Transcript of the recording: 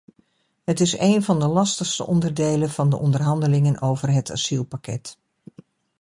Het is een van de lastigste onderdelen van de onderhandelingen over het asielpakket.